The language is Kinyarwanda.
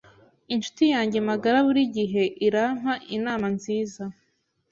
Inshuti yanjye magara burigihe irampa inama nziza.